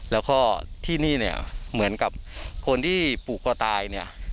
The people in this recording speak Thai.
แล้วก็ที่นี่เหมือนกับคนที่ปลูกกว่าตาย